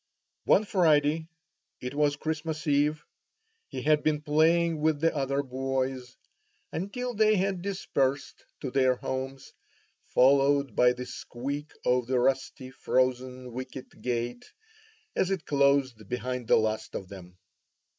One Friday (it was Christmas Eve) he had been playing with the other boys, until they had dispersed to their homes, followed by the squeak of the rusty frozen wicket gate as it closed behind the last of them.